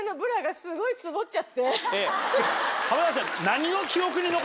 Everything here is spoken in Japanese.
浜崎さん。